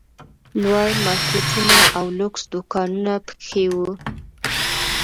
لوړ مارکېټونه او لوکس دوکانونه پکښې وو.